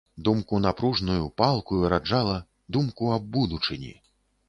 Думку напружную, палкую раджала, думку аб будучыні.